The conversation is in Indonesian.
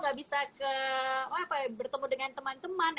gak bisa bertemu dengan teman teman